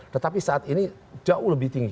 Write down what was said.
tetapi saat ini jauh lebih tinggi